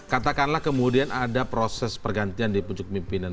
katakanlah kemudian ada proses pergantian di puncak pemimpinan